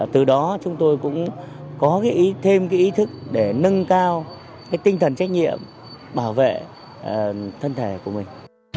từ đó chúng tôi cũng có thêm ý thức để nâng cao tinh thần trách nhiệm bảo vệ thân thể của mình